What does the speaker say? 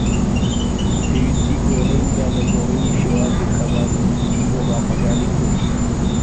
پێویستیی گۆڕین یان نەگۆڕینی شێوازی خەبات بۆ مافەکانی کورد